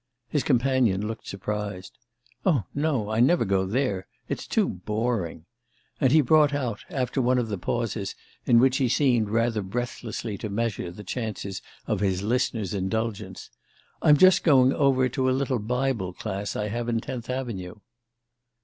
His companion looked surprised. "Oh, no: I never go there. It's too boring." And he brought out, after one of the pauses in which he seemed rather breathlessly to measure the chances of his listener's indulgence: "I'm just going over to a little Bible Class I have in Tenth Avenue."